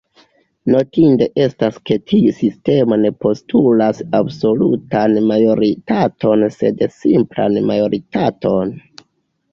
Notinde estas ke tiu sistemo ne postulas absolutan majoritaton sed simplan majoritaton.